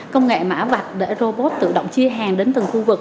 công nghệ mã vạch để robot tự động chia hàng đến từng khu vực